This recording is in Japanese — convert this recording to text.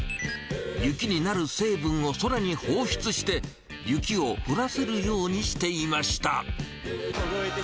雪になる成分を空に放出して、雪を降らせるようにしていました。